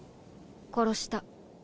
殺した。